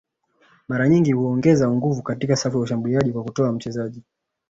mara nyingi huongeza nguvu katika safu ya ushambuliaji kwa kutoa mchezaji